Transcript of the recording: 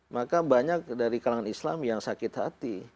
maka banyak dari kalangan islam yang sakit hati